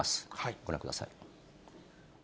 ご覧ください。